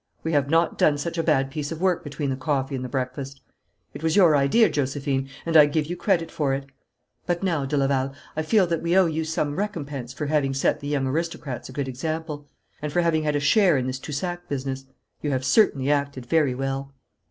'We have not done such a bad piece of work between the coffee and the breakfast. It was your idea, Josephine, and I give you credit for it. But now, de Laval, I feel that we owe you some recompense for having set the young aristocrats a good example, and for having had a share in this Toussac business. You have certainly acted very well.'